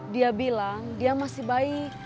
dia bilang dia masih baik